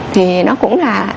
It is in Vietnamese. thì nó cũng là